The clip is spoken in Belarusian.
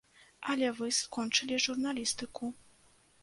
Але вы скончылі журналістыку.